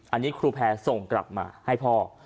อันนี้ครูแพร่ส่งกลับมาให้พ่อ